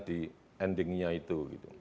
di endingnya itu